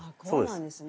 そうです。